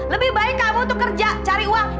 lebih baik kamu untuk kerja cari uang